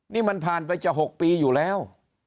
นี่มันผ่านไปจะ๖ปีอยู่แล้ว